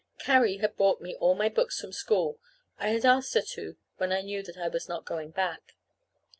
Carrie had brought me all my books from school. I had asked her to when I knew that I was not going back.